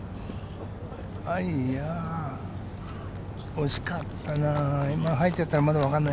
惜しかったな。